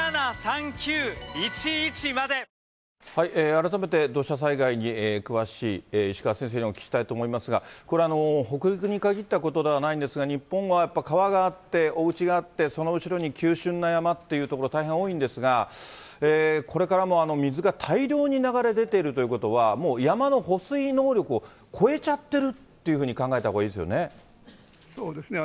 改めて、土砂災害に詳しい、石川先生にお聞きしたいと思いますが、これ、北陸に限ったことではないんですが、日本はやっぱ川があっておうちがあって、その後ろに急しゅんな山っていう所、大変多いんですが、これからも水が大量に流れ出ているということは、もう山の保水能力を超えちゃってるっていうふうに考えたほうがいそうですね。